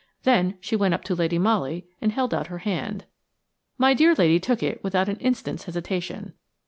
Then she went up to Lady Molly and held out her hand. My dear lady took it without an instant's hesitation.